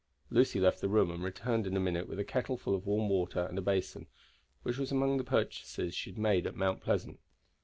Lucy left the room, and returned in a minute with a kettleful of warm water and a basin, which was among the purchases she had made at Mount Pleasant.